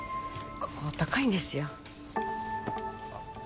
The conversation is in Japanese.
ここ高いんですよあっ